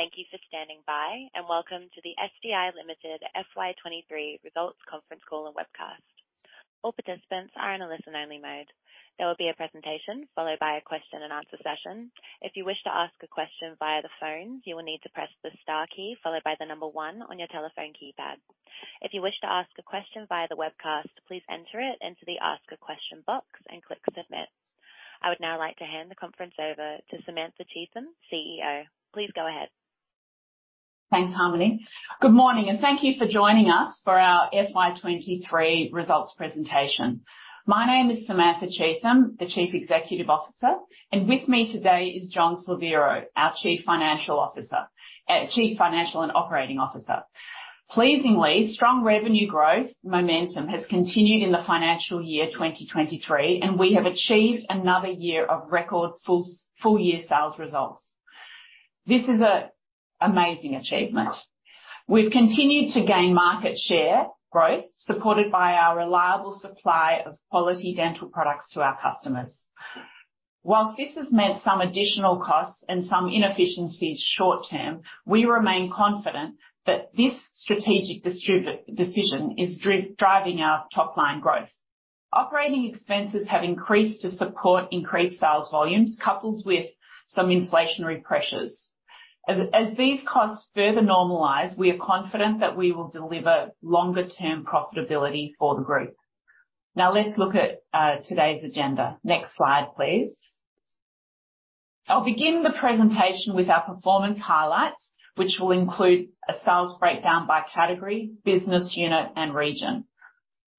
Thank you for standing by, and welcome to the SDI Limited FY 2023 Results Conference Call and Webcast. All participants are in a listen-only mode. There will be a presentation followed by a question and answer session. If you wish to ask a question via the phone, you will need to press the star key followed by the number one on your telephone keypad. If you wish to ask a question via the webcast, please enter it into the Ask a Question box and click Submit. I would now like to hand the conference over to Samantha Cheetham, CEO. Please go ahead. Thanks, Harmony. Good morning, and thank you for joining us for our FY 2023 results presentation. My name is Samantha Cheetham, the Chief Executive Officer, and with me today is John Slaviero, our Chief Financial Officer, Chief Financial and Operating Officer. Pleasingly, strong revenue growth momentum has continued in the financial year 2023, and we have achieved another year of record full year sales results. This is an amazing achievement. We've continued to gain market share growth, supported by our reliable supply of quality dental products to our customers. While this has meant some additional costs and some inefficiencies short term, we remain confident that this strategic decision is driving our top line growth. Operating expenses have increased to support increased sales volumes, coupled with some inflationary pressures. As these costs further normalize, we are confident that we will deliver longer-term profitability for the group. Now let's look at today's agenda. Next slide, please. I'll begin the presentation with our performance highlights, which will include a sales breakdown by category, business unit, and region.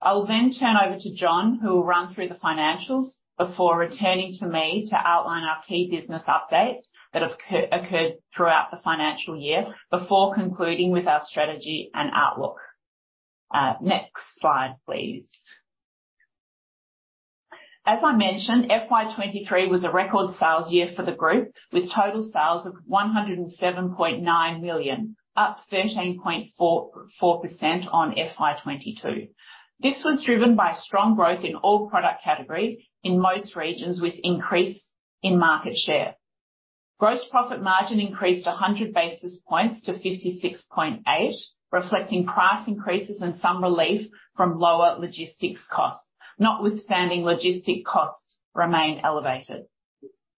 I'll then turn over to John, who will run through the financials before returning to me to outline our key business updates that have occurred throughout the financial year, before concluding with our strategy and outlook. Next slide, please. As I mentioned, FY 2023 was a record sales year for the group, with total sales of 107.9 million, up 13.44% on FY 2022. This was driven by strong growth in all product categories in most regions, with increase in market share. Gross profit margin increased 100 basis points to 56.8, reflecting price increases and some relief from lower logistics costs. Notwithstanding, logistic costs remained elevated.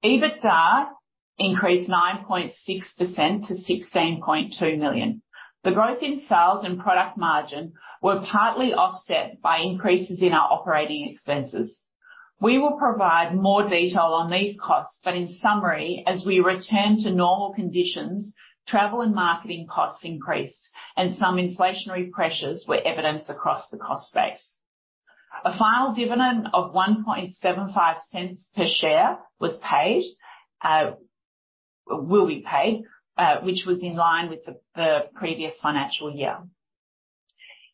EBITDA increased 9.6% to 16.2 million. The growth in sales and product margin were partly offset by increases in our operating expenses. We will provide more detail on these costs, but in summary, as we return to normal conditions, travel and marketing costs increased, and some inflationary pressures were evidenced across the cost base. A final dividend of 0.0175 per share was paid, will be paid, which was in line with the previous financial year.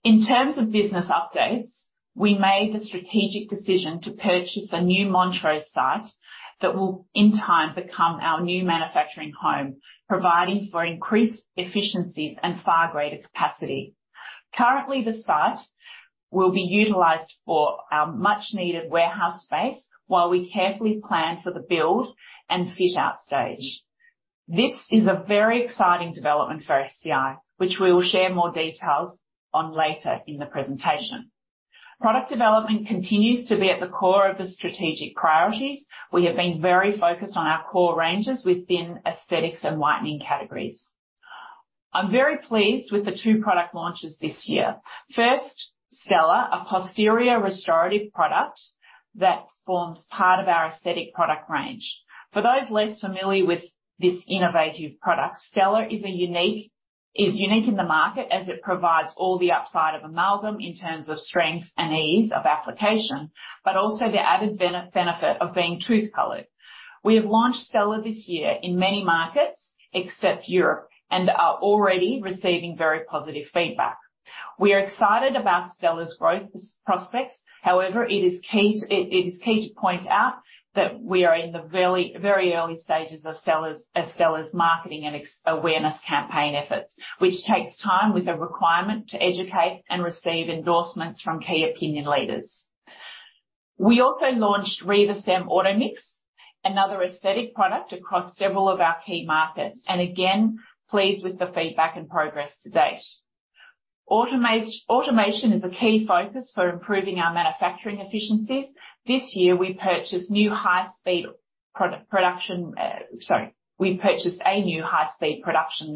In terms of business updates, we made the strategic decision to purchase a new Montrose site that will, in time, become our new manufacturing home, providing for increased efficiencies and far greater capacity. Currently, the site will be utilized for much needed warehouse space while we carefully plan for the build and fit-out stage. This is a very exciting development for SDI, which we will share more details on later in the presentation. Product development continues to be at the core of the strategic priorities. We have been very focused on our core ranges within aesthetics and whitening categories. I'm very pleased with the two product launches this year. First, Stela, a posterior restorative product that forms part of our aesthetic product range. For those less familiar with this innovative product, Stela is unique in the market as it provides all the upside of amalgam in terms of strength and ease of application, but also the added benefit of being tooth colored. We have launched Stela this year in many markets, except Europe, and are already receiving very positive feedback. We are excited about Stela's growth prospects. However, it is key to point out that we are in the very, very early stages of Stela's marketing and awareness campaign efforts, which takes time with a requirement to educate and receive endorsements from key opinion leaders. We also launched Riva Cem Automix, another aesthetic product across several of our key markets, and again, pleased with the feedback and progress to date. Automation is a key focus for improving our manufacturing efficiencies. This year we purchased a new high-speed production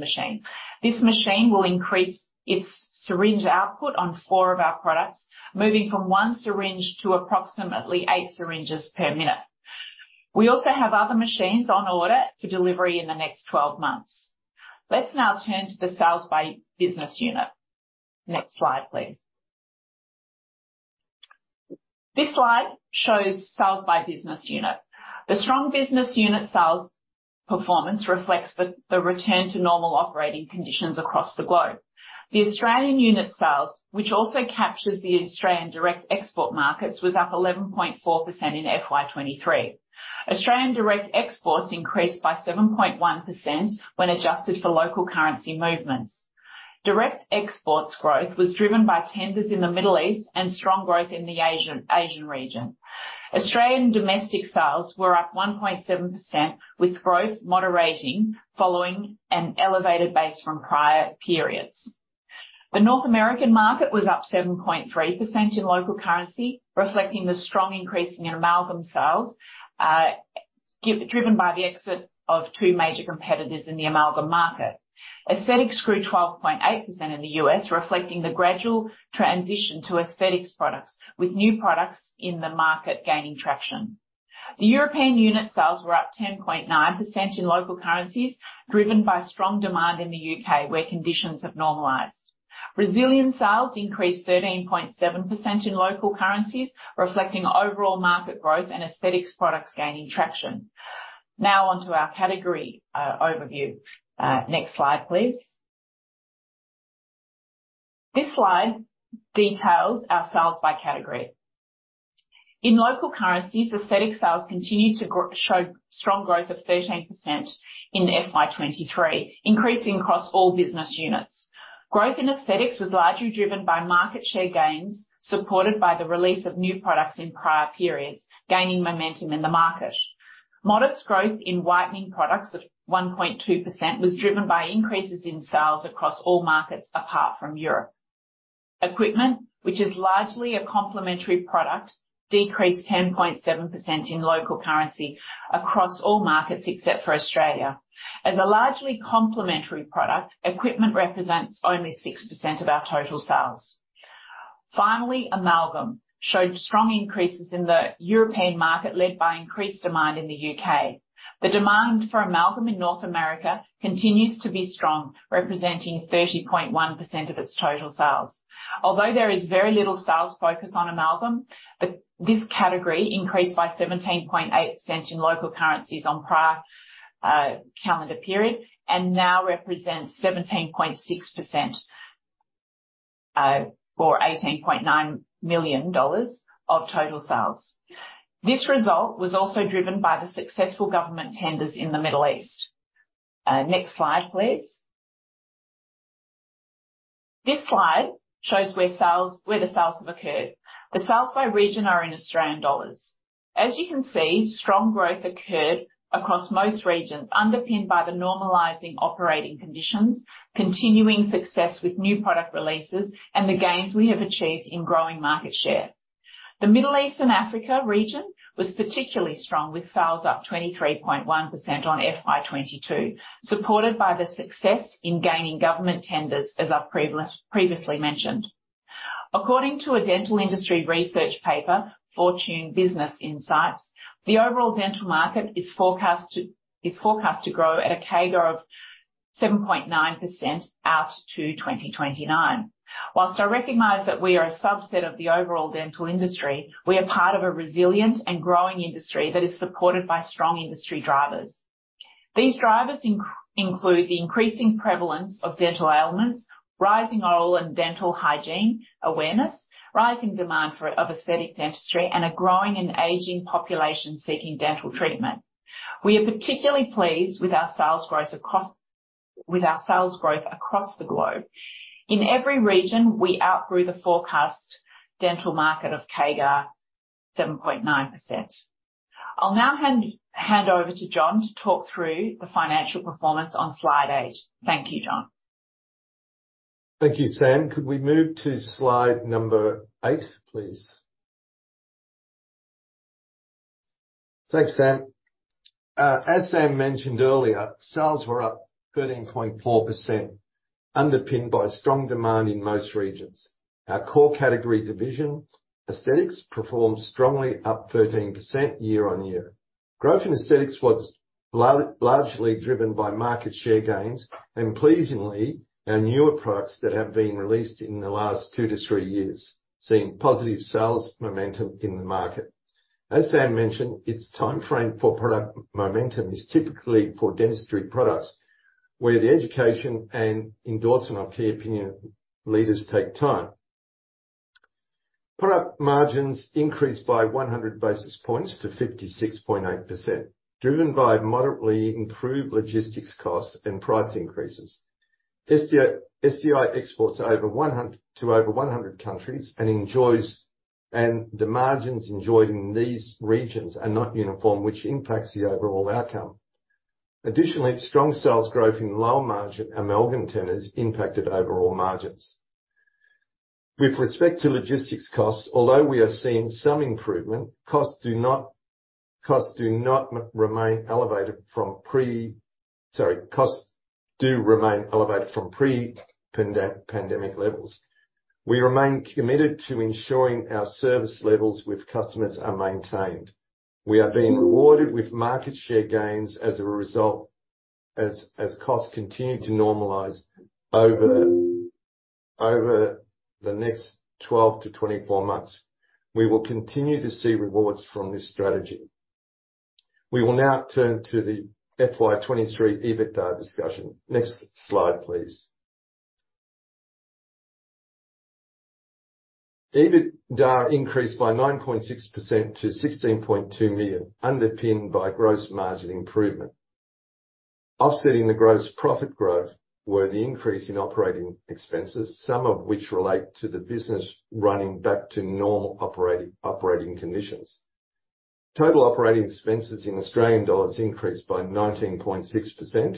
machine. This machine will increase its syringe output on four of our products, moving from 1 syringe to approximately 8 syringes per minute. We also have other machines on order for delivery in the next 12 months. Let's now turn to the sales by business unit. Next slide, please. This slide shows sales by business unit. The strong business unit sales performance reflects the return to normal operating conditions across the globe. The Australian unit sales, which also captures the Australian direct export markets, was up 11.4% in FY 2023. Australian direct exports increased by 7.1% when adjusted for local currency movements. Direct exports growth was driven by tenders in the Middle East and strong growth in the Asian region. Australian domestic sales were up 1.7%, with growth moderating following an elevated base from prior periods. The North American market was up 7.3% in local currency, reflecting the strong increase in amalgam sales driven by the exit of two major competitors in the amalgam market. Aesthetics grew 12.8% in the US, reflecting the gradual transition to aesthetics products, with new products in the market gaining traction. The European unit sales were up 10.9% in local currencies, driven by strong demand in the UK, where conditions have normalized. Restorative sales increased 13.7% in local currencies, reflecting overall market growth and aesthetics products gaining traction. Now on to our category overview. Next slide, please. This slide details our sales by category. In local currencies, aesthetic sales continued to show strong growth of 13% in FY 2023, increasing across all business units. Growth in aesthetics was largely driven by market share gains, supported by the release of new products in prior periods, gaining momentum in the market. Modest growth in whitening products of 1.2% was driven by increases in sales across all markets apart from Europe. Equipment, which is largely a complementary product, decreased 10.7% in local currency across all markets except for Australia. As a largely complementary product, equipment represents only 6% of our total sales. Finally, Amalgam showed strong increases in the European market, led by increased demand in the UK. The demand for Amalgam in North America continues to be strong, representing 30.1% of its total sales. Although there is very little sales focus on Amalgam, but this category increased by 17.8% in local currencies on prior calendar period, and now represents 17.6%, or 18.9 million dollars of total sales. This result was also driven by the successful government tenders in the Middle East. Next slide, please. This slide shows where sales, where the sales have occurred. The sales by region are in Australian dollars. As you can see, strong growth occurred across most regions, underpinned by the normalizing operating conditions, continuing success with new product releases, and the gains we have achieved in growing market share. The Middle East and Africa region was particularly strong, with sales up 23.1% on FY 2022, supported by the success in gaining government tenders, as I've previously mentioned. According to a dental industry research paper, Fortune Business Insights, the overall dental market is forecast to grow at a CAGR of 7.9% out to 2029. While I recognize that we are a subset of the overall dental industry, we are part of a resilient and growing industry that is supported by strong industry drivers. These drivers include the increasing prevalence of dental ailments, rising oral and dental hygiene awareness, rising demand for aesthetic dentistry, and a growing and aging population seeking dental treatment. We are particularly pleased with our sales growth across the globe. In every region, we outgrew the forecast dental market of CAGR 7.9%. I'll now hand over to John to talk through the financial performance on slide eight. Thank you, John. Thank you, Sam. Could we move to slide number eight, please? Thanks, Sam. As Sam mentioned earlier, sales were up 13.4%, underpinned by strong demand in most regions. Our core category division, Aesthetics, performed strongly up 13% year-on-year. Growth in aesthetics was largely driven by market share gains and pleasingly, our newer products that have been released in the last two-three years, seeing positive sales momentum in the market. As Sam mentioned, its timeframe for product momentum is typically for dentistry products, where the education and endorsement of key opinion leaders take time. Product margins increased by 100 basis points to 56.8%, driven by moderately improved logistics costs and price increases. SDI exports to over 100 countries and enjoys, and the margins enjoyed in these regions are not uniform, which impacts the overall outcome. Additionally, strong sales growth in low-margin amalgam tenders impacted overall margins. With respect to logistics costs, although we are seeing some improvement, costs do remain elevated from pre-pandemic levels. We remain committed to ensuring our service levels with customers are maintained. We are being rewarded with market share gains as a result, as costs continue to normalize over the next 12-24 months. We will continue to see rewards from this strategy. We will now turn to the FY 2023 EBITDA discussion. Next slide, please. EBITDA increased by 9.6% to 16.2 million, underpinned by gross margin improvement. Offsetting the gross profit growth were the increase in operating expenses, some of which relate to the business running back to normal operating conditions. Total operating expenses in Australian dollars increased by 19.6%.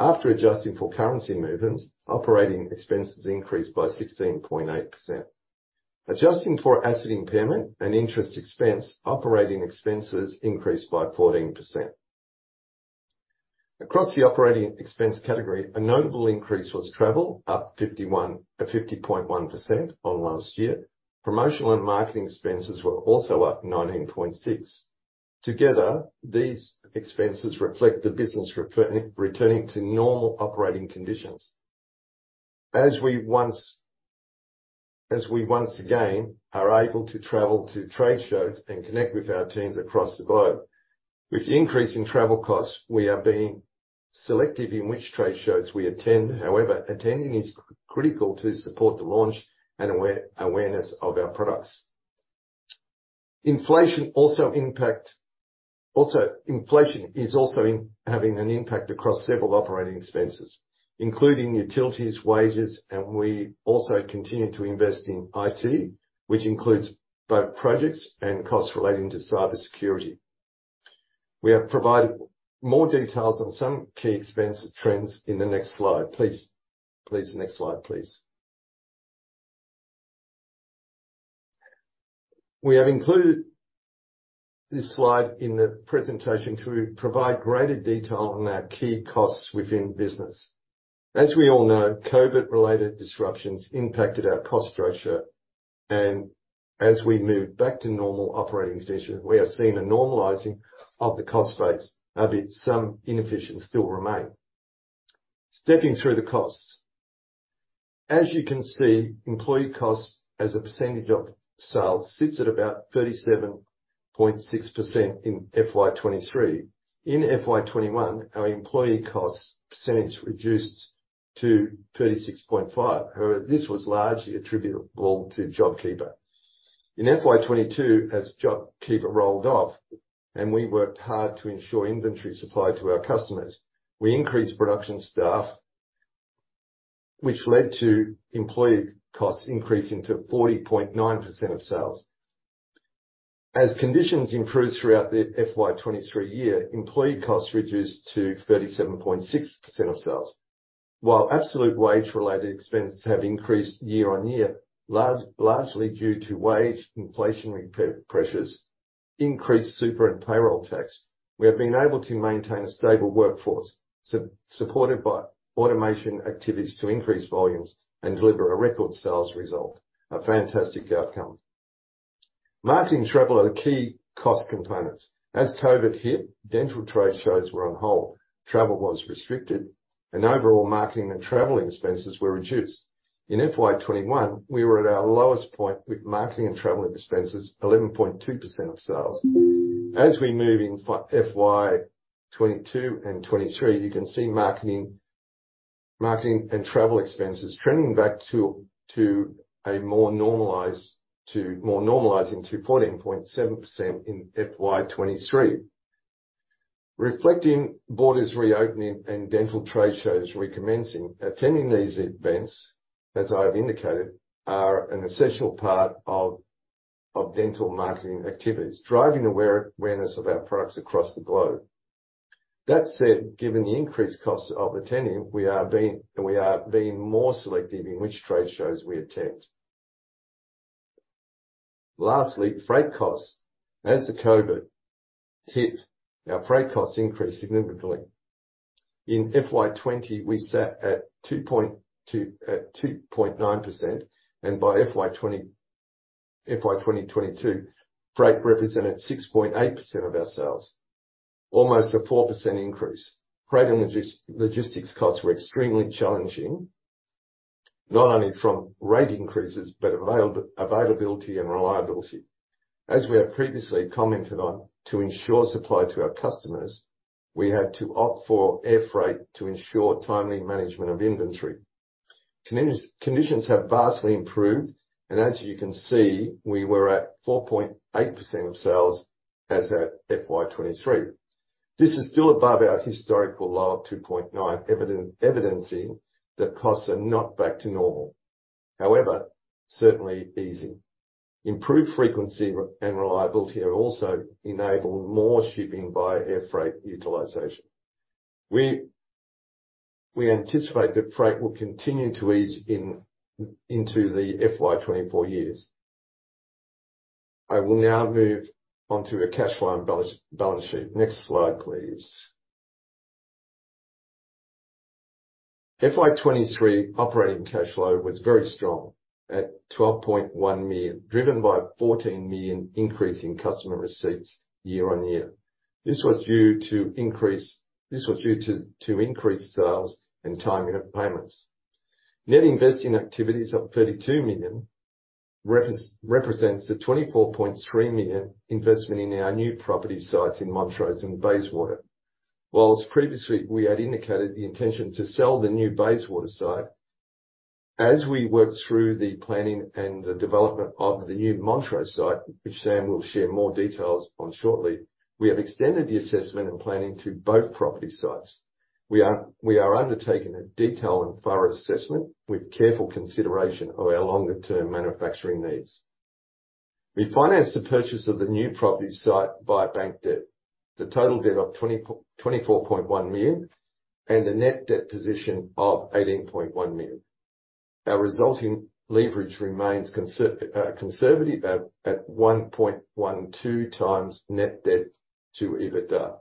After adjusting for currency movements, operating expenses increased by 16.8%. Adjusting for asset impairment and interest expense, operating expenses increased by 14%. Across the operating expense category, a notable increase was travel, up 50.1% on last year. Promotional and marketing expenses were also up 19.6%. Together, these expenses reflect the business returning to normal operating conditions. As we once again are able to travel to trade shows and connect with our teams across the globe, with the increase in travel costs, we are being selective in which trade shows we attend. However, attending is critical to support the launch and awareness of our products. Inflation also is having an impact across several operating expenses, including utilities, wages, and we also continue to invest in IT, which includes both projects and costs relating to cybersecurity. We have provided more details on some key expense trends in the next slide. Please, next slide, please. We have included this slide in the presentation to provide greater detail on our key costs within business. As we all know, COVID-related disruptions impacted our cost structure, and as we move back to normal operating conditions, we are seeing a normalizing of the cost base, albeit some inefficiencies still remain. Stepping through the costs. As you can see, employee costs as a percentage of sales sits at about 37.6% in FY 2023. In FY 2021, our employee cost percentage reduced to 36.5%. However, this was largely attributable to JobKeeper. In FY 2022, as JobKeeper rolled off and we worked hard to ensure inventory supply to our customers, we increased production staff, which led to employee costs increasing to 40.9% of sales. As conditions improved throughout the FY 2023 year, employee costs reduced to 37.6% of sales. While absolute wage-related expenses have increased year-on-year, largely due to wage inflationary peer pressures, increased super and payroll tax, we have been able to maintain a stable workforce, supported by automation activities to increase volumes and deliver a record sales result. A fantastic outcome. Marketing and travel are the key cost components. As COVID hit, dental trade shows were on hold, travel was restricted, and overall marketing and traveling expenses were reduced. In FY 2021, we were at our lowest point with marketing and traveling expenses, 11.2% of sales. As we move into FY 2022 and 2023, you can see marketing and travel expenses trending back to a more normalized, more normalizing to 14.7% in FY 2023. Reflecting borders reopening and dental trade shows recommencing, attending these events, as I've indicated, are an essential part of dental marketing activities, driving awareness of our products across the globe. That said, given the increased costs of attending, we are being more selective in which trade shows we attend. Lastly, freight costs. As the COVID hit, our freight costs increased significantly. In FY 2020, we sat at 2.2, at 2.9%, and by FY 2022, freight represented 6.8% of our sales, almost a 4% increase. Freight and logistics costs were extremely challenging, not only from rate increases, but availability and reliability. As we have previously commented on, to ensure supply to our customers, we had to opt for air freight to ensure timely management of inventory. Conditions have vastly improved, and as you can see, we were at 4.8% of sales as at FY 2023. This is still above our historical low of 2.9, evidencing that costs are not back to normal, however, certainly easing. Improved frequency and reliability have also enabled more shipping by air freight utilization. We anticipate that freight will continue to ease into FY 2024. I will now move on to a cash flow and balance sheet. Next slide, please. FY 2023 operating cash flow was very strong at 12.1 million, driven by a 14 million increase in customer receipts year-on-year. This was due to increased sales and timing of payments. Net investing activities of 32 million represents the 24.3 million investment in our new property sites in Montrose and Bayswater. While previously, we had indicated the intention to sell the new Bayswater site, as we work through the planning and the development of the new Montrose site, which Sam will share more details on shortly, we have extended the assessment and planning to both property sites. We are undertaking a detailed and thorough assessment with careful consideration of our longer-term manufacturing needs. We financed the purchase of the new property site by bank debt, the total debt of 24.1 million, and the net debt position of 18.1 million. Our resulting leverage remains conservative at 1.12 times net debt to EBITDA.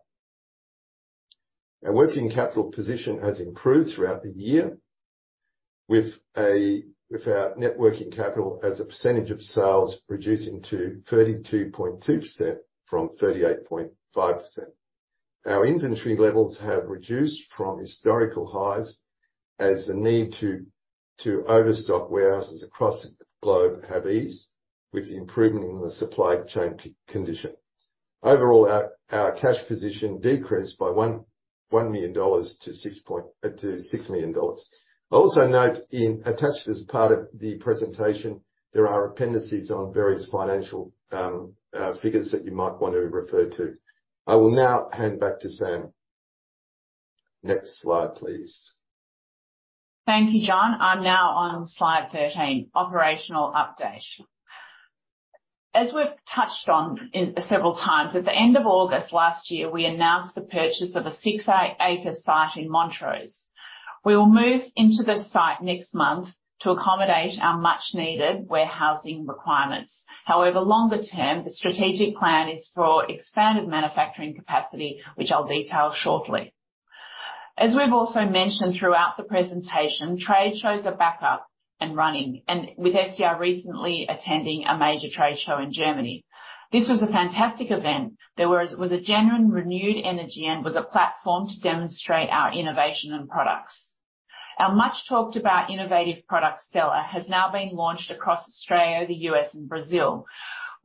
Our working capital position has improved throughout the year with our net working capital as a percentage of sales, reducing to 32.2% from 38.5%. Our inventory levels have reduced from historical highs as the need to overstock warehouses across the globe have eased with the improvement in the supply chain condition. Overall, our cash position decreased by 1 million dollars to 6 million dollars. I also note, in attached as part of the presentation, there are appendices on various financial, figures that you might want to refer to. I will now hand back to Sam. Next slide, please. Thank you, John. I'm now on slide 13, Operational Update. As we've touched on several times, at the end of August last year, we announced the purchase of a six-acre site in Montrose. We will move into the site next month to accommodate our much-needed warehousing requirements. However, longer term, the strategic plan is for expanded manufacturing capacity, which I'll detail shortly. As we've also mentioned throughout the presentation, trade shows are back up and running, and with SDI recently attending a major trade show in Germany. This was a fantastic event. There was a genuine, renewed energy and was a platform to demonstrate our innovation and products. Our much-talked-about innovative product, Stela, has now been launched across Australia, the U.S., and Brazil.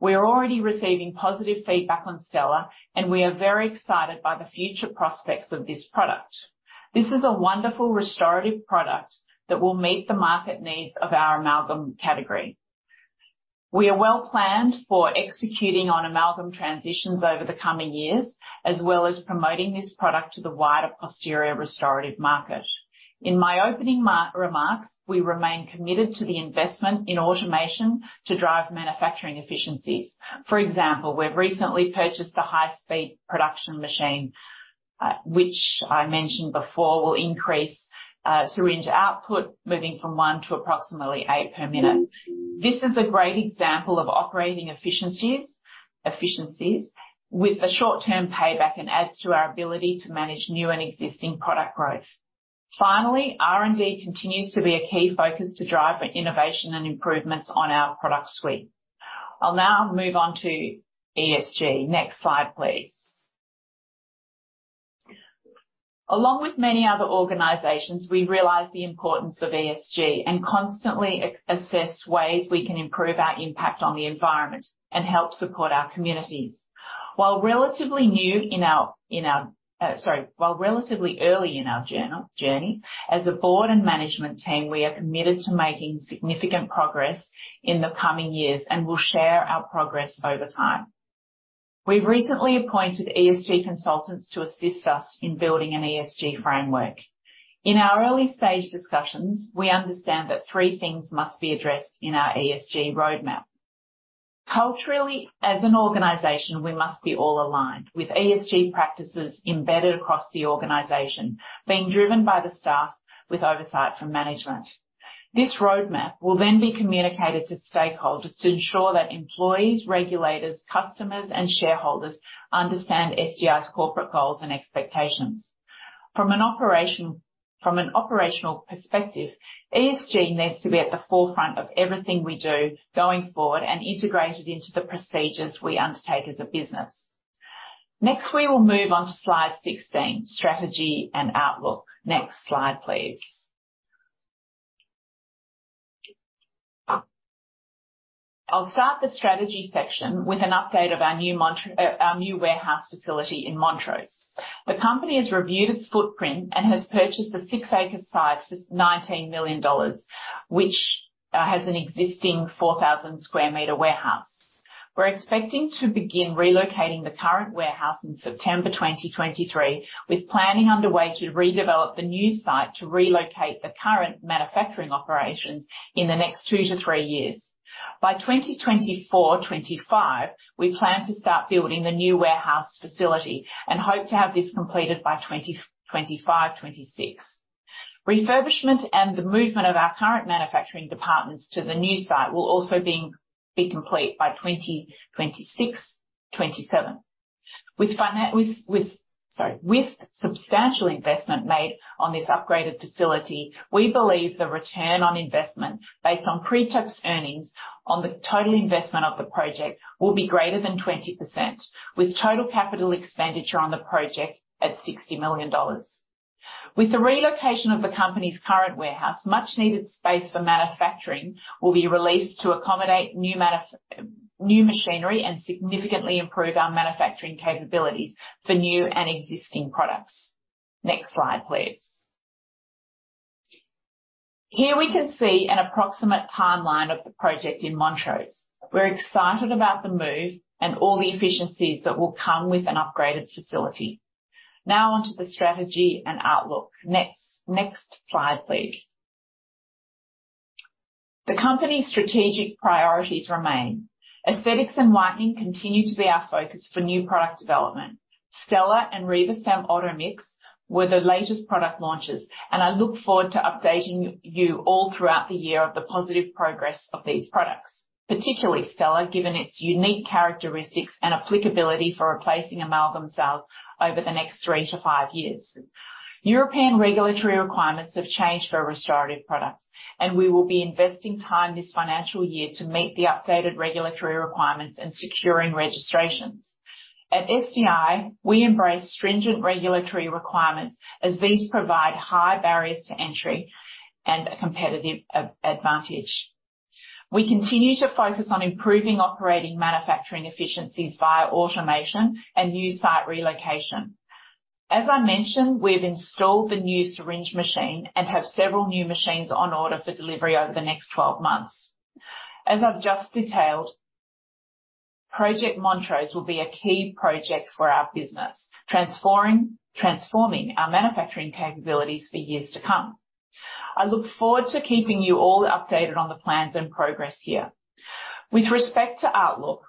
We are already receiving positive feedback on Stela, and we are very excited by the future prospects of this product. This is a wonderful restorative product that will meet the market needs of our amalgam category. We are well planned for executing on amalgam transitions over the coming years, as well as promoting this product to the wider posterior restorative market. In my opening remarks, we remain committed to the investment in automation to drive manufacturing efficiencies. For example, we've recently purchased a high-speed production machine, which I mentioned before, will increase syringe output, moving from one to approximately eight per minute. This is a great example of operating efficiencies, efficiencies with a short-term payback, and adds to our ability to manage new and existing product growth. Finally, R&D continues to be a key focus to drive innovation and improvements on our product suite. I'll now move on to ESG. Next slide, please. Along with many other organizations, we realize the importance of ESG and constantly assess ways we can improve our impact on the environment and help support our communities. While relatively early in our journey, as a board and management team, we are committed to making significant progress in the coming years, and we'll share our progress over time. We've recently appointed ESG consultants to assist us in building an ESG framework. In our early-stage discussions, we understand that three things must be addressed in our ESG roadmap. Culturally, as an organization, we must be all aligned with ESG practices embedded across the organization, being driven by the staff with oversight from management. This roadmap will then be communicated to stakeholders to ensure that employees, regulators, customers, and shareholders understand SDI's corporate goals and expectations. From an operational perspective, ESG needs to be at the forefront of everything we do going forward and integrated into the procedures we undertake as a business. Next, we will move on to slide 16, Strategy and Outlook. Next slide, please. I'll start the strategy section with an update of our new warehouse facility in Montrose. The company has reviewed its footprint and has purchased a six-acre site for 19 million dollars, which has an existing 4,000 square meter warehouse. We're expecting to begin relocating the current warehouse in September 2023, with planning underway to redevelop the new site to relocate the current manufacturing operations in the next two-three years. By 2024-2025, we plan to start building the new warehouse facility and hope to have this completed by 2025-2026. Refurbishment and the movement of our current manufacturing departments to the new site will also be complete by 2026, 2027. With substantial investment made on this upgraded facility, we believe the return on investment based on pre-tax earnings on the total investment of the project will be greater than 20%, with total capital expenditure on the project at 60 million dollars. With the relocation of the company's current warehouse, much needed space for manufacturing will be released to accommodate new machinery and significantly improve our manufacturing capabilities for new and existing products. Next slide, please. Here we can see an approximate timeline of the project in Montrose. We're excited about the move and all the efficiencies that will come with an upgraded facility. Now on to the strategy and outlook. Next slide, please. The company's strategic priorities remain. Aesthetics and whitening continue to be our focus for new product development. Stela and Riva Cem Automix were the latest product launches, and I look forward to updating you, you all throughout the year of the positive progress of these products, particularly Stela, given its unique characteristics and applicability for replacing amalgam sales over the next three-five years. European regulatory requirements have changed for restorative products, and we will be investing time this financial year to meet the updated regulatory requirements and securing registrations. At SDI, we embrace stringent regulatory requirements as these provide high barriers to entry and a competitive advantage. We continue to focus on improving operating manufacturing efficiencies via automation and new site relocation. As I mentioned, we've installed the new syringe machine and have several new machines on order for delivery over the next 12 months. As I've just detailed, Project Montrose will be a key project for our business, transforming our manufacturing capabilities for years to come. I look forward to keeping you all updated on the plans and progress here. With respect to outlook,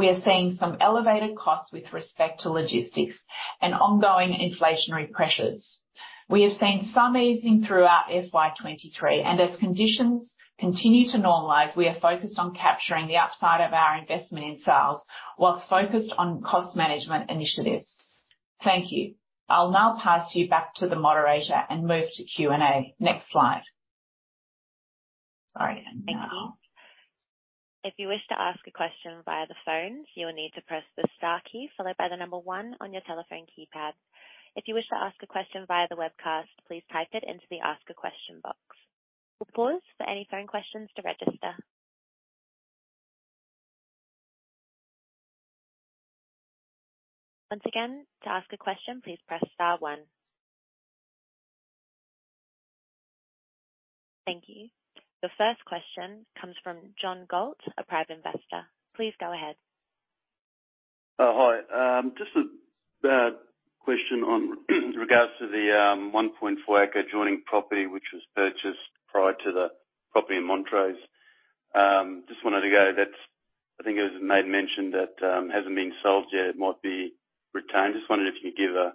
we are seeing some elevated costs with respect to logistics and ongoing inflationary pressures. We have seen some easing throughout FY 2023, and as conditions continue to normalize, we are focused on capturing the upside of our investment in sales, whilst focused on cost management initiatives. Thank you. I'll now pass you back to the moderator and move to Q&A. Next slide. Sorry. Thank you. If you wish to ask a question via the phone, you will need to press the star key followed by the number one on your telephone keypad. If you wish to ask a question via the webcast, please type it into the Ask a Question box. We'll pause for any phone questions to register. Once again, to ask a question, please press star one. Thank you. The first question comes from John Galt, a private investor. Please go ahead. Oh, hi. Just a question on regards to the 1.4-acre adjoining property, which was purchased prior to the property in Montrose. Just wanted to go, I think it was made mention that it hasn't been sold yet, it might be retained. Just wondered if you could give a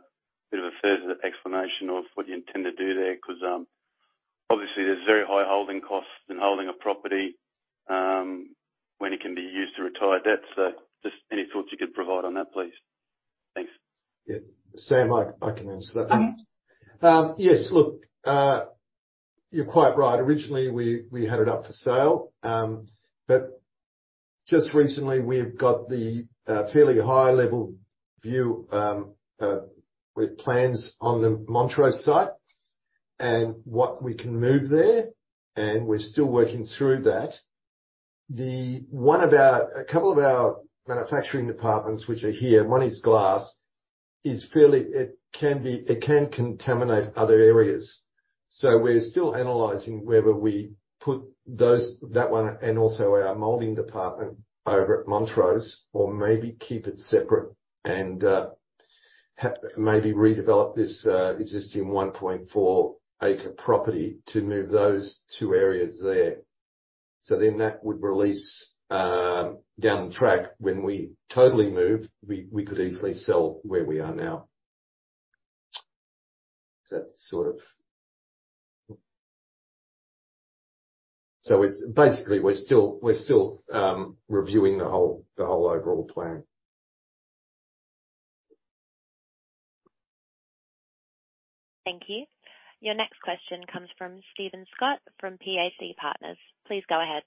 bit of a further explanation of what you intend to do there, because obviously there's very high holding costs in holding a property when it can be used to retire debts. So just any thoughts you could provide on that, please? Thanks. Yeah, Sam, I can answer that. Mm-hmm. Yes, look, you're quite right. Originally, we had it up for sale. But just recently we've got the fairly high-level view with plans on the Montrose site and what we can move there, and we're still working through that. One of our—a couple of our manufacturing departments, which are here, one is glass, is fairly... It can contaminate other areas. So we're still analyzing whether we put those, that one and also our molding department over at Montrose, or maybe keep it separate and maybe redevelop this existing 1.4-acre property to move those two areas there. So then that would release down the track, when we totally move, we could easily sell where we are now. Does that sort of... So basically, we're still reviewing the whole overall plan. Thank you. Your next question comes from Stephen Scott from PAC Partners. Please go ahead.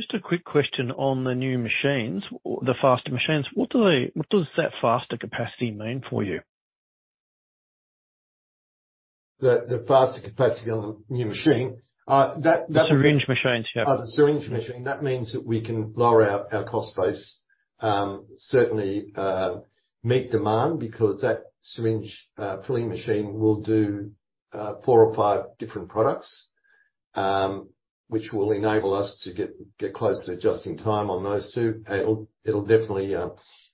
Just a quick question on the new machines, the faster machines. What do they- what does that faster capacity mean for you? The faster capacity of the new machine? The syringe machines, yeah. Oh, the syringe machine. That means that we can lower our cost base, certainly, meet demand, because that syringe filling machine will do four or five different products, which will enable us to get close to adjusting time on those two. It'll definitely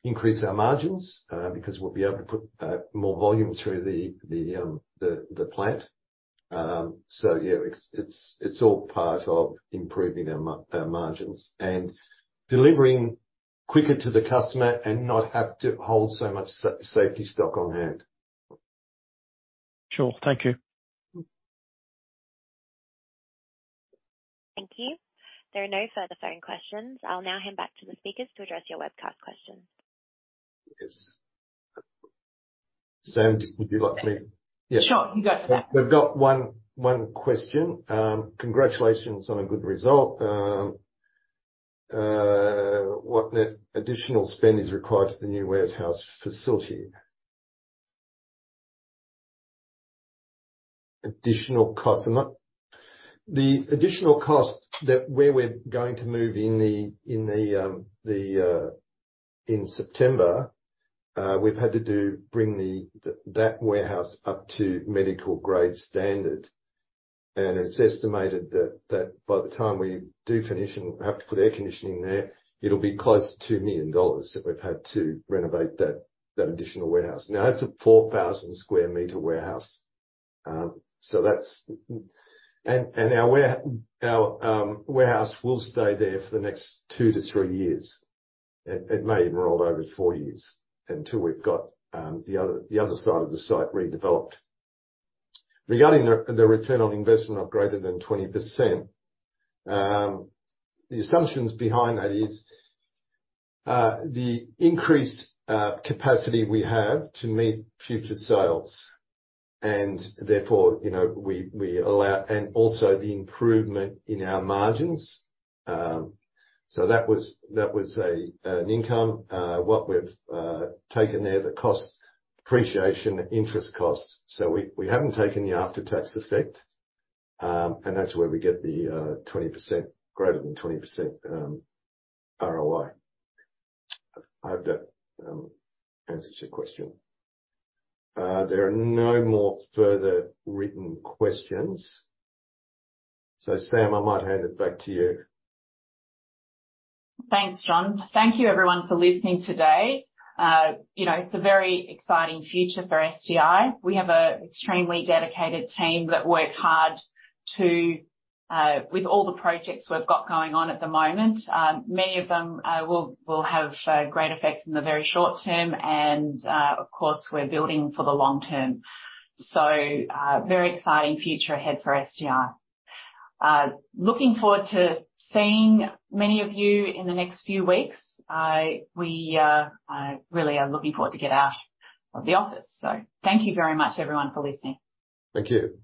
increase our margins, because we'll be able to put more volume through the plant. So yeah, it's all part of improving our margins and delivering quicker to the customer and not have to hold so much safety stock on hand. Sure. Thank you. Thank you. There are no further phone questions. I'll now hand back to the speakers to address your webcast questions. Yes. Sam, would you like me- Sure. You got it. We've got one question. Congratulations on a good result. What net additional spend is required for the new warehouse facility? The additional cost that where we're going to move in September, we've had to do bring that warehouse up to medical grade standard. And it's estimated that by the time we do finish and we have to put air conditioning in there, it'll be close to 2 million dollars that we've had to renovate that additional warehouse. Now, that's a 4,000 square meter warehouse. And our warehouse will stay there for the next two-three years. It may even roll over to four years, until we've got the other side of the site redeveloped. Regarding the return on investment of greater than 20%, the assumptions behind that is the increased capacity we have to meet future sales. And therefore, you know, we allow-- and also the improvement in our margins. So that was, that was a, an income. What we've taken there, the cost, depreciation, interest costs. So we haven't taken the after-tax effect, and that's where we get the 20%, greater than 20%, ROI. I hope that answers your question. There are no more further written questions. So Sam, I might hand it back to you. Thanks, John. Thank you, everyone, for listening today. You know, it's a very exciting future for SDI. We have a extremely dedicated team that work hard to, with all the projects we've got going on at the moment. Many of them will have great effects in the very short term and, of course, we're building for the long term. So, very exciting future ahead for SDI. Looking forward to seeing many of you in the next few weeks. I really am looking forward to get out of the office. So thank you very much, everyone, for listening. Thank you.